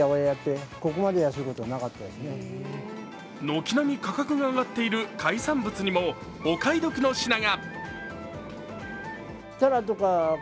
軒並み価格が上がっている海産物にもお買い得の品が。